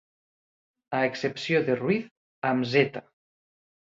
A excepció de Ruiz, amb zeta.